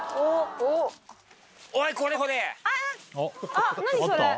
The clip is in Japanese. あっ何それ！